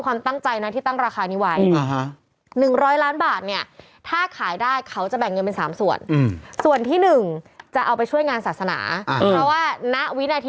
เขาก็บอกว่าตั้งราคาเลยหนึ่งร้อยล้านบาท